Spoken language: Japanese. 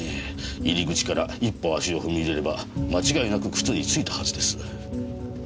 入り口から一歩足を踏み入れれば間違いなく靴に付いたはずです。